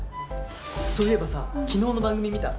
そういえばさ昨日の番組見た？